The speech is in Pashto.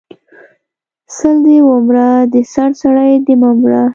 سل دی ومره د سر سړی د مه مره